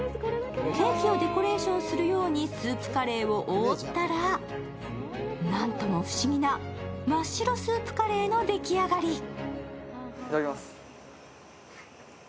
ケーキをデコレーションするようにスープカレーを覆ったら、なんとも不思議な真っ白スープカレーの出来上がり。